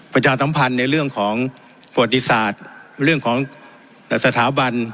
ประชาสัมพันธ์ในเรื่องของประวัติศาสตร์เรื่องของสถาบัน